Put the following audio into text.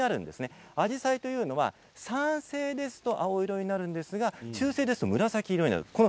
実はアジサイは酸性ですと青色になるんですが中性ですと紫色になる。